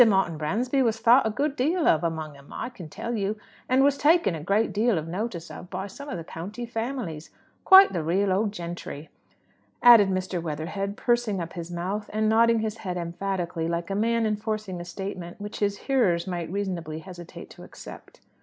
Martin Bransby was thought a good deal of, among 'em, I can tell you, and was taken a great deal of notice of by some of the county families quite the real old gentry," added Mr. Weatherhead, pursing up his mouth and nodding his head emphatically, like a man enforcing a statement which his hearers might reasonably hesitate to accept.